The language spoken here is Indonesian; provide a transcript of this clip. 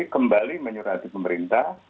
kembali menyuruh hati pemerintah